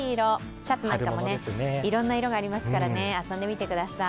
シャツなんかもいろんな色がありますから遊んでみてください。